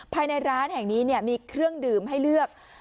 ภายในร้านแห่งนี้มีเครื่องดื่มให้เลือก